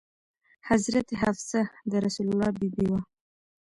حضرت حفصه د رسول الله بي بي وه.